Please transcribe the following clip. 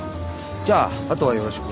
じゃああとはよろしく。